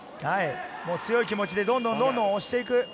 強い気持ちでどんどん、どんどん押していく。